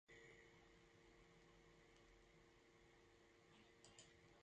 Maria Jesus Esteban matematika sustatzeko hainbat erakundetan eragilea izan da.